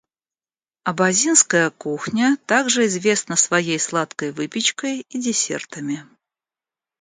Абазинская кухня также известна своей сладкой выпечкой и десертами.